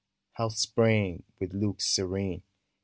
— how Spring, with look serene.